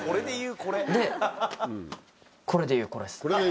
でこれでいうこれっす。